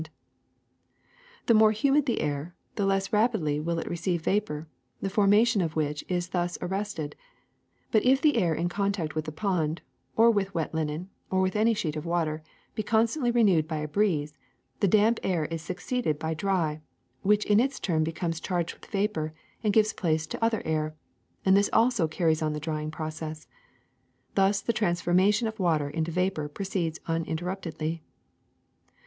334 THE SECRET OF EVERYDAY THINGS ^'The more humid the air, the less rapidly will it receive vapor, the formation of which is thus ar rested ; but if the air in contact with the pond, or with wet linen, or with any sheet of water, be constantly renewed by a breeze, the damp air is succeeded by dry, which in its turn becomes charged with vapor and gives place to other air, and this also carries on the drying process. Thus the transformation of water into vapor proceeds uninterruptedly.